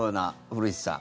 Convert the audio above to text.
古市さん。